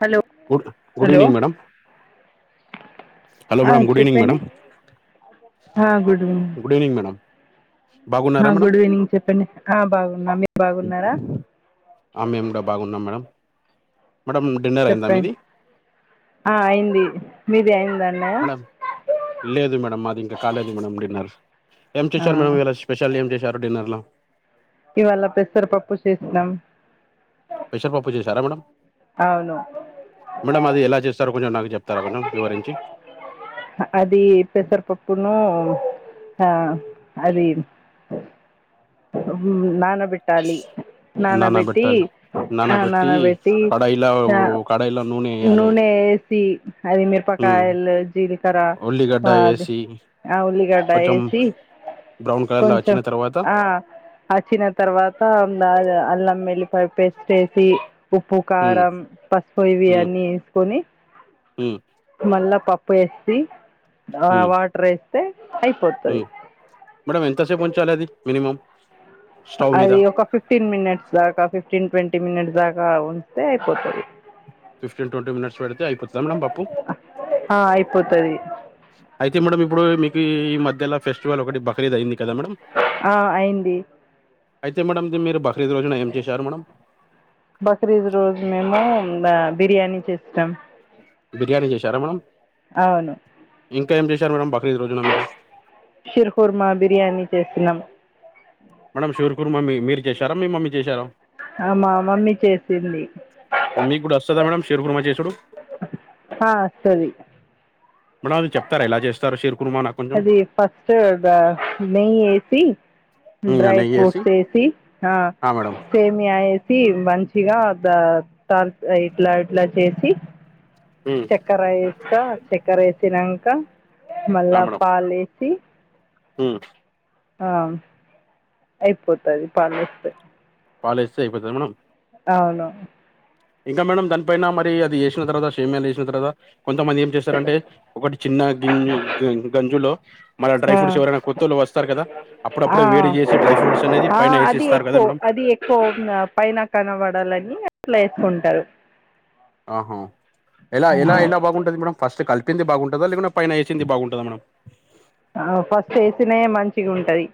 Hello good hello evening madam hello ఆ madam good evening చెప్పండి madam ఆ good evening madam ఆ బాగున్నారా మేడం గుడ్ ఈవినింగ్ చెప్పండి ఆ బాగున్నా మీరు బాగున్నారా ఆ మేము కూడా బాగున్నాం మేడం మేడం డిన్నర్ అయిందా చెప్పం మీది ఆ అయింది మీది అయింది మేడం లేదు మేడంమ్ మాది ఇంకా కాలేదు మేడం అన్నారు ఏం ఆ చేశారు మేడం ఇలా స్పెషల్ ఏం చేశారు డిన్నర్ లో ఇవాళ పెసరపప్పు చేసినాం పెసర్ పప్పు చేసారా మేడం అవును మేడం అది ఎలా చేస్తారు కొంచెం నాకు చెప్ప అది పెసర్ పప్పును ఇంకా అది నాన్న పెట్టాలి నానాబెట్టి నానబెట్టాలి నానబెట్టి నానాబెట్టి కడాయిలో ఇగ కడాయిలో నూనె వేయాలి నూనె పోసి అది ఉమ్, మిరపకాయలు జీలకర్ర ఉల్లిగడ్డ ఇంకా అది వేసి ఆ ఉల్లిగడ్డ కొంచెం ఏసి బ్రౌన్ కలర్లో కొంచెం వచ్చిన తర్వాత ఆ అచ్చిన తర్వాత అదే అల్లం వెళ్ళి పేస్ట్ ఏసి ఉప్పు ఉమ్, కారం పసుపు ఇవి అన్నీ ఏసుకొని హ్మ్ మళ్ళా పప్పు ఏసీ ఆ వాటర్ ఎస్ హ్మ్ మేడమ్ ఎంత సేపూంచాలి అది మినిమమ్ అది ఒక ఫిఫ్టీన్ మినిట్స్ దాకా ఫిఫ్టీన్ ట్వంటీ మినిట్స్ దాకా ఉంచితే అయిపోతది ఫిఫ్టీన్ ట్వంటీ మినిట్స్ పెడితే అయిపోతదా మేడం పప్పు అయిపోతుంది అయితే మేడమ్ ఇప్పుడు మీకు ఈ మధ్యల ఫెస్టివల్ ఒకటి బక్రీద్ అయింది కదా మేడం ఆ అయింది అయితే మేడం ది మీరు బక్రీ బక్రీద్ రోజు మేము బా బిర్యానీ చేస్తాం బిర్యానీ చేశారా మేడం అవును ఇంకా ఏం చేశారు మేడం బక్రీద్ రోజున మీరు షిర్ కుర్మా బిర్యానీ చేసిన్నామ్ మేడం షూర్ కుర్మ మీ మీరు చేశారా మీ మమ్మీ చేశారా ఆ మా మమ్మీ చేసింది మీకు కూడా వస్తుందా మేడం షీర్ కుర్మా చేసుడు ఆ వస్తది మేడం అది చెప్తారా ఎలా చేస్తారో షీర్ కు అది ఫస్ట్ దా నెయ్యి ఏసి డ్రై నెయ్యేసి ఫ్రూట్స్ ఏసి ఆ మేడం సేమియ యేసి మంచిగా ద టార్ ఇట్లా ఇట్లా చేసి ఉమ్, చక్కెర ఎస్తా చక్కెర ఎస్ తినంక మళ్ళా పాలేసి హ్మ్ ఆ అయిపోతది పాలేస్తే పాలేస్తే అయిపోతదా మేడం అవును ఇంకా మేడం దానిపైన మరి అది ఏసిన తర్వాత సేమియాలు ఏసిన తర్దా కొంతమంది ఏం చేస్తారంటే ఒకటి చిన్న గింజి గంజులో మళ్ళ డ్రై ఆ ఫ్రూట్స్ ఎవరైనా కొత్తోళ్ళు వస్తారు కదా ఆ అప్పుడప్పుడే వేడి చేసి డ్రై ఫ్రూట్స్ అనేది ఆ పైన అది వేసిస్తారు కదా ఎకు మేడం అది అది ఎక్కువ పైన కనబడాలని అట్లా ఏసుకుంటారు ఆహా ఎలా ఎలా ఎలా బాగుంటది మేడమ్ ఫస్ట్ కల్ ప్పింది బాగుంటదా లేకున్డా పైన ఏసింది బాగుంటది మేడమ్ ఆ ఫస్ట్ ఏసినఏ మంచిగ ఉంటది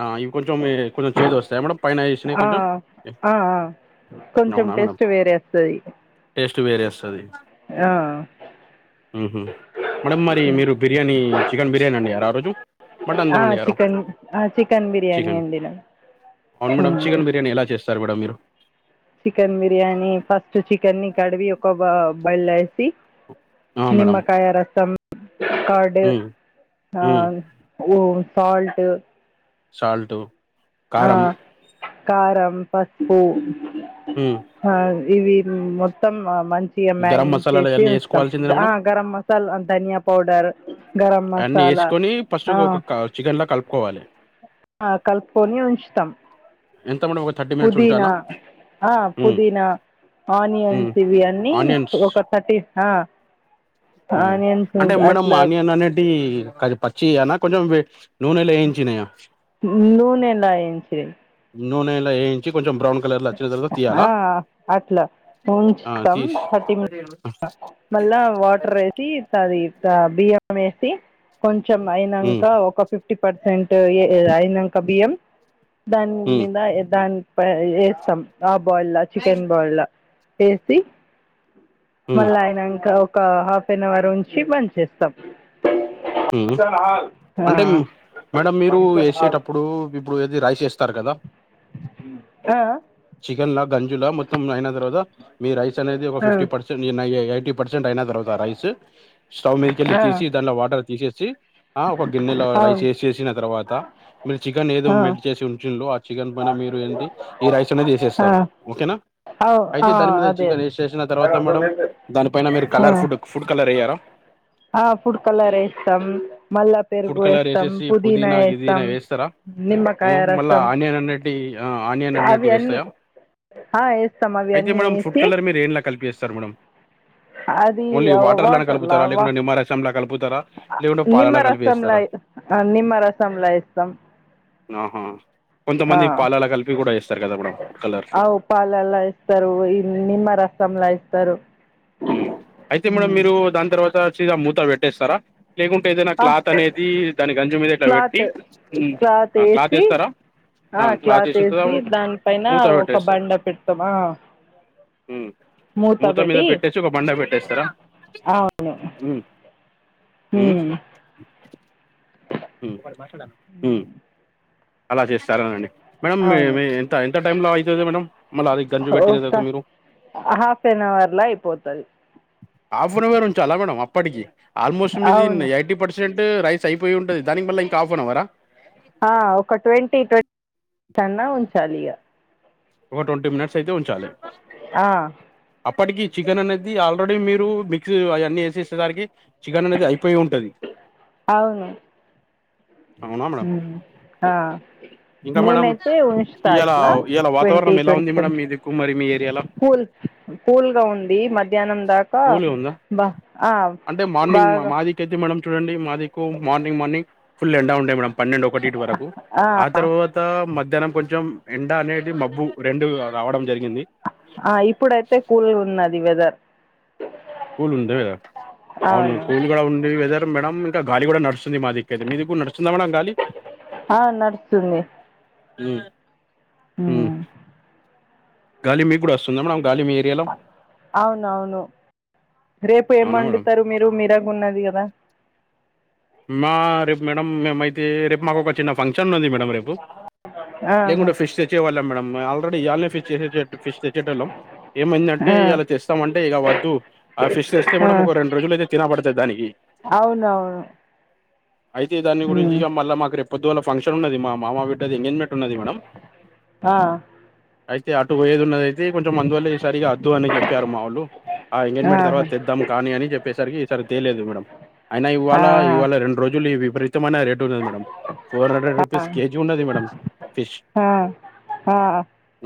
ఆ ఇవి కొంచెం కొంచెం చేదు వస్తాయా మేడం పైన వేసినవి ఆ కొంచెం అ ఆ కొంచెం అవునా మేడం టెస్ట్ వేరేవస్తది టేస్ట్ వేరే ఆ ఉ హు మేడం మరి మీరు బిర్యానీ చికెన్ బిర్యానీ అండినరా ఆ రోజు మటన్ ఆ వండారా చికన్ ఆ చికెన్ బిర్యానీ చికెన్ అన్డినామ్ అవును మేడం చికెన్ బిర్యానీ ఎలా చేస్తారు మేడం మీరు చికెన్ బిర్యానీ ఫస్ట్ చికెన్ని కడివి ఒక బ బయళ వేసి ఆ మేడం నిమ్మకాయ రసం కర్డ్ హ్మ్ ఆ హ్మ్. ఓ సాల్ట్ సాల్ట్ ఆ కారం పసుపు హు ఆ ఇవి మొత్తం మంచి గా గరం [unintelligible] మసాలాలు చేసి అయన్నీ వస్తాం ఏసుకోవాల్సిందేనా ఆ మేడం? గరం మసాల్ ధనియా పౌడర్ గరం అన్ని మసాలా వేసుకొని ఫస్ట్ ఆ ఒక చికెన్ లా కలుపుకోవాలి ఆ కలుపుకొని ఉంచుతాం ఎంత మేడం ఒక మినిట్స్ పుదీనా ఉంచాలా? ఆ హ్మ్. పుదీనా హ్మ్. ఆనియన్స్ ఇవి అన్నీ ఆనియన్స్ ఒక థర్టీ ఆనియన్ సూ అట్ల పచ్చి అ కొంచెం నూనెలు ఏయించిన నూనె ఎలా అంచి నూనెలా ఏయించి కొంచెం బ్రౌన్ కలర్లా ఆ అట్లా ఆ! ఉంచుస్తాం తీసి థర్టీ మిని మళ్ళా వాటర్ వేసి తది బియ్యం వేసి కొంచెం హ్మ్. అయినంక ఒక ఫిఫ్టీ పర్సెంట్ అయినంక బియ్యం దాని హ్మ్. మీద దాని వేస్తాం ఆ బాయిల్లా చికెన్ బాయిల్లా వేసి హ్మ్. మళ్ళీ అయినాక ఒక హాఫ్ అన్ అవర్ ఉంచి బంద్ చేస్తాం హు ఆ, ఆ, అంటే మేడం మీరు వేసేటప్పుడు ఇప్పుడు ఏది రైస్ వేస్తారు కదా చికెన్ లా గంజులా మొత్తం అయిన తర్వాత మీ రైస్ అనేది ఒక ఫిఫ్టీ పర్సెంట్ [unintelligible] పర్సెంట్ అయిన తర్వాత రైస్ స్టవ్ మీదకెళ్ళి ఆ, తీసి దాంట్లో వాటర్ తీసేసి ఆ ఒక గిన్నెల రైస్ అవును వేసేసిన ఆ తర్వాత మీరు చికెన్ ఏదో ఆ, మెల్ట్ చేసి ఉంచు చికెన్ పైన మీరు ఏంటి ఈ రైస్ అనేది ఆ, వేసేస్తారు ఓకేనా అవు- ఆ, అయితే దాని మీద అదే చికెన్ అదే వేసేసిన తర్వాత మేడం దానిపైన మీరు కలర్ ఆ. ఫుడ్ ఫుడ్ కలర్ వెయ్యరా ఆ ఫుడ్ కలర్ వేస్తాం మల్ల పెరుగు ఫుడ్ కలర్ వేస్తాం వేసేసి పుదీనా వేస్తాం గిదీనా నిమ్మకాయ రసం అన్నిటి ఆనియన్ అన్నిటి అవి అన్నీ వేస్తాయా ఆ వేస్తాం అవి అయితే అన్నీ మేడం ఫుడ్ వేసి కలర్ మీరు ఏంలా కలిపి వేస్తారు మేడం అది ఓన్లీ వాటర్ లా వాటర్లా కలుపుతారా వా లేకుంటే నిమ్మరసం లా కలుపుత నిమ్మరసంలా నిమ్మరసంలా వేస్తాం ఆహా ఆ కొంతమంది పాలలా కలిపి కూడా వేస్తారు కదా మేడం ఫుడ్ కలర్ అవు పాలలా వేస్తారు నిమ్మర రసం లా వేస్తారు హు అయితే మేడమ్ మీరు దాని తర్వాత చికెన్ మూతా పెట్టేస్తారా, లేకుంటే ఏదైనా ఆ క్లాత్ అనేది దాని గంజు మీద ఇట్లా పెట్టి క్లాత్ క్లాత్ వేస్తారా ఆ క్లాత్ వేసి దాని పైన మూత ఒక పెట్టేస్తారు బండ పెడతామ ఉమ్. మూత మీద పెట్టి పెట్టేసి ఒక బండ పెట్టేస్తారా అవును ఉమ్, ఉ ఉ అలా చేస్తారానండి మేడం అవును. మీ ఎంత ఎంత టైమ్లా అయితది మేడం మళ్ళీ అది గంజు పెట్టిన ఒక తర్వాత మీరు హాఫ్ అన్ అవర్లో అయిపోతది, హాఫ్ అన్ అవర్ ఉంచాలా మేడం అప్పటికి ఆల్మోస్ట్ మీది అవును. ఎయిటీ పర్సెంట్ రైస్ అయిపోయి ఉంటది, దానికి మళ్ల ఇంకా హాఫ్ అన్ అవరా ఆ ఒక ట్వంటీ ట్వంటీ మినిట్స్ అన్నా ఉంచాలి ఇగ ఒక ట్వంటీ మినిట్స్ అయితే ఉంచాలి, ఆ! అప్పటికి చికెన్ అనేది ఆల్ ఆల్రెడీ మీరు మిక్స్ అవన్నీ వేసేసేసరికి చికెన్ వండితే అయిపోయి ఉంటది. అవునా మేడం ఉం ఆ ఇంకా మేడం నేనైతే ఉంచుతా ఇయాల ఇట్లా ఇయాల ట్వంటీ వాతావరణం ఎలా ఉంది ట్వంటీ మేడం మీ దిక్కు మరి మీ ఏరియాలో కూల్గా ఉండి మధ్యానం దాకా కూల్గా ఉందా బ ఆ అంటే మార్నింగ్ బాగా మాదికైతే మేడం చూడండి మాదికు మార్నింగ్ మార్నింగ్ ఫుల్ ఎండ ఉండే మేడం పన్నెండు ఒకటి ఇంటి వరకు ఆ తర్వాత మ ధ్యానం కొంచెం ఎండ అనేటి మబ్బు రెండు రావడం జరిగింది ఆ ఇప్పుడైతే కూల్గా ఉన్నది వెదర్ కూల్ ఉంది అవును కూల్గా ఉంది వెదర్ మేడం ఇంకా గాలి కూడా నడుస్తుంది, మా దికై తే మీ దిక్కు కూడా నడుస్తుంది, మేడం గాలి ఆ నడుస్తుంది, ఉం ఉం హ్మ్. గాలి మీ కూడా వస్తుంద, మేడం మీ ఏరియాలో అవునవును రేపు ఏమ్ అవునా మేడం వండుతారు మీరు మీరాగ ఉన్నది కదా మా రేపు మేడమ్ మేము ఐతే రేపు మాకు ఒక చిన్న ఫంక్షన్ ఉంది, మేడం రేపు ఆహా లేకుంటే ఫిష్ తెచ్చేవాళ్ళమ్ మేడం, తోటి ఇయాలనే ఫిష్ చె ఫిష్ తెచ్చేట వాళ్ళం ఏమైందంటే ఆ ఇలా తెస్తామంటే ఇక వద్దు ఆ ఫిష్ తెస్తే ఆ మేడం ఒక రెండు రోజులు అయితే తినబడు దానికి అవునవును అయితే దాని గురించి ఉమ్. మళ్ళా మాకు రే పొద్దు గాల ఫంక్షన్ ఉన్నది, మామ బిడ్డది ఎంగేజ్మెంట్ ఉన్నది మేడం, ఆ అయితే అటు పోయేది ఉన్నది, అయితే కొంచెం అందువల్లే సరిగా వద్దు అని చెప్పారు, మా వాళ్ళు ఆ ఎంగేజ్మెంట్ తర్వాత ఆహా తెద్దాం కానీ అని చెప్పేసరికి సారి తెేలేదు, మేడం అయినా ఆ ఇవాళ ఇవాళ రెండు రోజులు లివ్ గోరమైన రేటు ఉన్నది మేడమ్ ఫోర్ హండ్రెడ్ ఆ రూపీస్ కేజీ ఉన్నది మేడమ్ ఫిష్ ఆ ఆ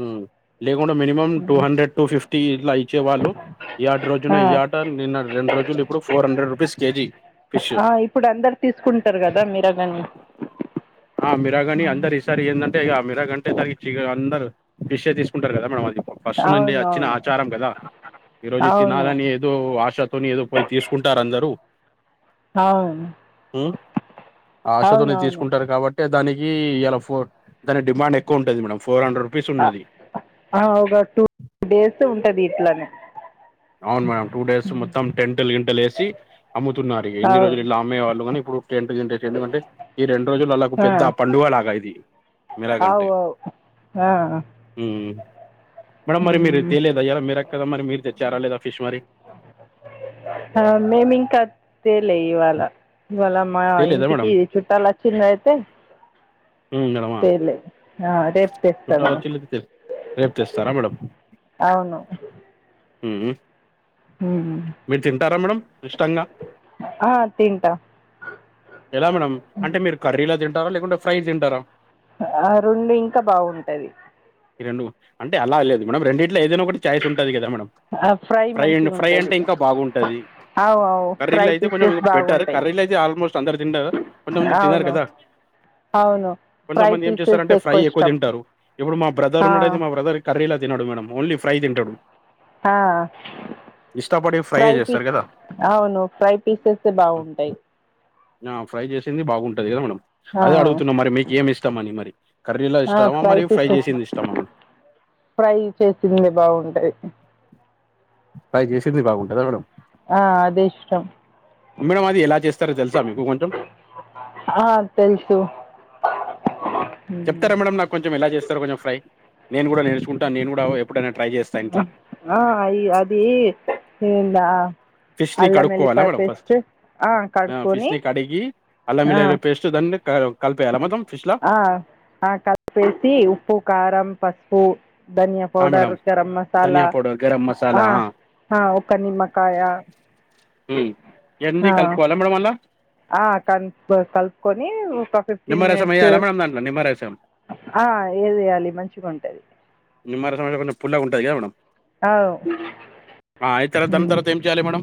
ఉమ్. లేకుండా మినిమం టూ ఉమ్, హండ్రెడ్ టూ ఫిఫ్టీ ఇట్లా ఇచ్చేవాళ్ళు, ఈ ఆటి రోజున ఆ ఈ ఆట నిన్న రెండు రోజులు ఇప్పుడు four hundred rupees KG fish ఆ ఇప్పుడు అందరు తీసుకుంటారు, కదా మీరగాన్ని ఆ మీరాగణి అందరూ ఈ సారికి ఏందంటే ఇగ మిరాగ్ గంటే తాగి అందరు ఫిషే తీసుకుంటారు, కదా మేడం అది ఫస్ట్ నుండి అవును వచ్చిన అవును ఆచారం కదా ఈ రోజు అవును తినాలని ఏదో ఆశతోని ఏదో పోయి తీసుకుంటారు, అందరు అవును ఉం ఆశతోని అవునవును తీసుకుంటు పట్టే దానికి ఇయల ఫో దాని డిమాండ్ ఎక్కువ ఉంటుంది, మేడం ఫోర్ హండ్రెడ్ రూపీస్ ఉన్నది ఆ ఒక టూ డేస్ ఉంటది, ఇట్లనే అవును మేడమ్ టూ డేస్ మొత్తం టెంట్లు గింటలు ఎసి అమ్ముతున్నారు ఇన్ని అవు రోజులు ఇలా అమ్మే వాళ్ళు కానీ ఇప్పుడు టెంట్ గింటేసి ఎందుకంటె ఈ రెండు రోజులు ఆల్లకు పెద్ద పండుగ గా ఇది అవ్ అవ్ మ్ మేడం మరి మీరు ఉమ్. తెలేదా ఇయాల మీరూ కదా మరి మీరు తెచ్చారా లేదా ఫిష్ మరి ఆ మేము ఇంకా తేలే ఇవాళ ఇవాళ మా తేలేదా ఇంటికి మేడం చుట్టాలు వచ్చిండ్లు ఐతే మ్ మేడం ఆ ఆ రేపు తెస్తాము రేపు తెస్తారా మేడమ్ మ్ మ్ ఉమ్. మీరు తింటారా మేడం ఇష్టంగా ఆ తింట ఎలా మేడం అంటే మీరు కర్రీలా తింటారా లేకుంటే ఫ్రై తింటారా ఆ రెండు ఇంకా బాగుంటది ఈ రెండు అంటే అలా లేదు మేడం రెండు ట్లా ఏదైనా ఒకటి ఛాయిస్ ఉంటది కదా మేడం ఆ ఫ్రై డ్ మంచిగా ఫ్రై ఉంటది అంటే ఇంకా బాగుంటది అవు అవు కర్రీలో ఫ్రై అయితే కొంచెం పీసెస్ బెటర్ బాగుంటాయి కర్రీలో అయితే ఆల్మోస్ట్ అందరు తింటారు కొంతమంది తినారు అవును కదా అవును ఫ్రై కొంతమంది ఏం పీసెస్ చేస్తారంటే ఫ్రెండ్స్ ఫ్రై ఎక్కువ ఇష్టం తింటారు ఇప్పుడు మా బ్రదర్ ఆ ఉన్నాడు అయితే మా బ్రదర్ కర్రీలా తిన్నాడు మేడం ఓన్లీ ఫ్రై తింటాడు ఆ ఇష్టపడి ఫ్రైయే ఫ్రై చేస్తారు పీస్ కదా అవును ఫ్రై పీసెస్తే బాగుంటాయి ఆ ఫ్రై చేసింది బాగుంటది కదా మేడం ఆ అదే అడుగుతున్న మరి మీకు ఏమి ఇష్టం అని మరి కర్రీలా ఆ ఇష్టమా మరి ఫ్రై పీసెస్ చేసింది ఇష్టామ మేడం ఫ్రై చేసిందే బాగుంటది ఫ్రై చేసింది బాగుంటుంద మేడం ఆ అదే ఇష్టం మేడమ్ అది ఎలా చేస్తారో తెలుసా మీకు కొంచెం ఆ తెలుసు చెప్తారా మేడమ్ నాకు కొంచెం ఎలా చేస్తారు కొంచెం ఫ్రై నేను కూడా నేర్చుకుంటాను నేను కూడా ఎప్పుడైనా ట్రై చేస్తా ఇంట్లా ఆ అయి అది ఇందా ఫిష్ ని కడుక్కోవాల మేడం ఫస్ట్ ఆ ఫిష్ ని కడిగి అల్లం ఆ వెల్లి గడ్డ పేస్ట్ ద్ క కలిపేయాలా మొత్తం ఫిష్ లా ఆ ఆ కలిపేసి ఉప్పు కారం పసుపు ఆ ధనియాపౌడర్ మేడం గరం మసాలా ధనియా పౌడర్ గరం ఆ మసాలా ఆ ఒక్క నిమ్మకాయ ఇన్ది ఆ కలుపుకోవాలా మేడం అంన్ల ఆ కన్ కలుపుకొని ఒక ఫిఫ్టీన్ నిమ్మరసం మినిట్స్ వేయాలా మేడం దాంట్లో నిమ్మరసం ఆ ఏదియాలి మంచిగా ఉంటది నిమ్మరసం అయితే కొంచెం పుల్లగా ఉంటది కద మేడం అవ్ ఆ అయి తరువాత దాని తరవాత ఏం చేయాలే మేడం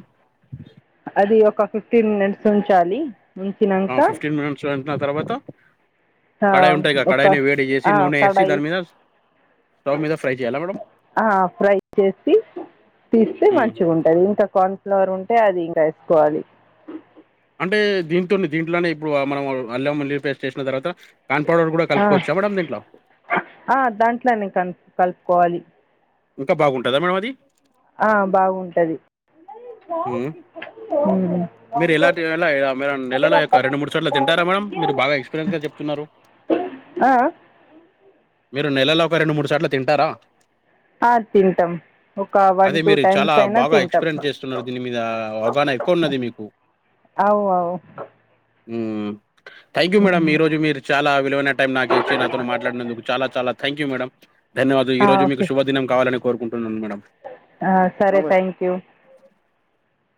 అది ఒక ఫిఫ్టీన్ మినిట్స్ ఉంచాలి ఆ ఉంచినాక ఫిఫ్టీన్ మినిట్స్ ఉంచిన తర్వాత ఆ కడాయి ఉంటది గా ఒక కడాయిని వేడి చేసి ఆ నూనె వేసి కడాయి దాని మీద స్టవ్ మీద ఫ్రై చేయాల మేడం ఆ ఫ్రై చేసి తీస్తే ఉమ్ మంచిగా ఉంటది ఇంకా కాన్ఫ్లవర్ ఉంటే అది ఇంకా వేసుకోవాలి అంటే దీంతో దీంట్లోనే ఇప్పుడు మనం అల్లం వెల్లుల్లి పేస్ట్ చేసిన తర్వాత కార్న్ పౌడర్ కూడా ఆ కలుపుకోవచ్చా మేడం దీంట్లో? ఆ దాంట్లనే కం కలుపుకోవాలి ఇంకా బాగుంటుందా మేడం అది ఆ బాగుంటది హ్మ్. మీరు ఎలాటి ఎలా నెలలో యొక్క రెండు మూడు చోట్ల తింటారా మేడం మీరు బాగా ఎక్స్పీరియన్స్ గా చెప్తున్నారు ఆ ఆ మీరు నెలలో ఒక రెండు మూడు సాట్ల తింటారా? తింటాం ఒక వన్ అదే టూ మీరు చాలా టైమ్స్ అయినా బాగా తింటాం ఎక్స్పీరియన్స్ చేస్తున్నారు దీని మీద అవగాహన ఎక్కువ ఉన్నది మీకు అవు అవు ఉమ్ థ్యాంక్ యూ మేడం హ్మ్. ఈరోజ మీరు చాలా విలువైన టైం నాకు ఇచ్చి నాతో మాట్లాడినందుకు చాల చాలా థ్యాంక్ యూ మేడం ధన్యవాదం ఆ! ఈరోజు మీకు ఓకే శుభదినం కావాలని కోరుకుంట్ ఆ సరే థాంక్యూ